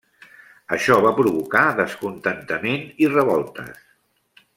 Això va provocar descontentament i revoltes.